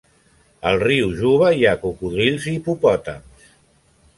Al riu Juba hi ha cocodrils i hipopòtams.